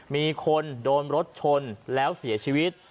มีคนโดนรถชนแล้วเสียชีวิต